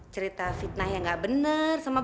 cerita fitnah yang gak bener sama bapak